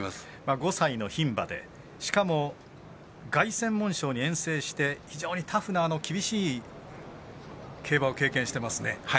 ５歳の牝馬でしかも、凱旋門賞に出走して非常にタフな厳しい競馬を経験してますね。